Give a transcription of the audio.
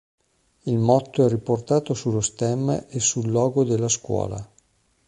Il motto è riportato sullo stemma e sul logo della scuola.